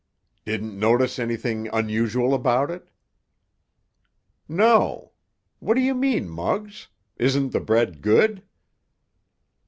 "Didn't notice anything unusual about it?" "No. What do you mean, Muggs? Isn't the bread good?"